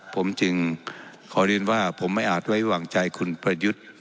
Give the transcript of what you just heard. ผมจึงขอเรียนว่าผมไม่อาจไว้วางใจคุณประยุทธ์